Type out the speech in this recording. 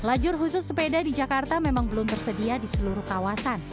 lajur khusus sepeda di jakarta memang belum tersedia di seluruh kawasan